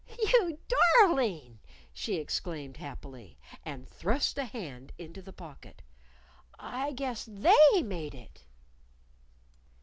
"You darling!" she exclaimed happily, and thrust a hand into the pocket. "I guess They made it!"